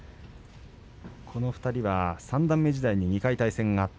この２人は三段目時代に２回対戦があって